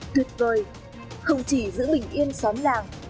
tuyệt vời không chỉ giữ bình yên xóm làng